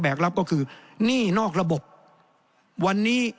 แสดงว่าความทุกข์มันไม่ได้ทุกข์เฉพาะชาวบ้านด้วยนะ